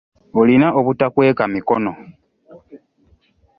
Olina obutakweka mikono.